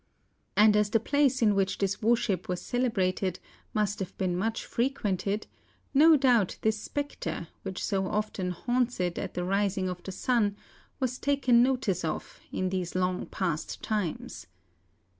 And as the place in which this worship was celebrated must have been much frequented, no THE BROCKEN, 157 doubt this spectre which so often haunts it at the rising of the sun was taken notice of in these long past times.